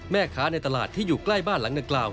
ในตลาดที่อยู่ใกล้บ้านหลังดังกล่าว